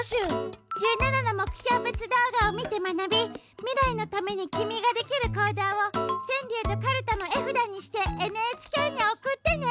１７の目標別動画を見て学び未来のために君ができる行動を川柳とかるたの絵札にしてＮＨＫに送ってね！